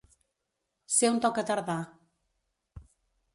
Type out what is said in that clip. Ser un tocatardà.